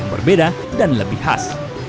berbeda dan lebih khas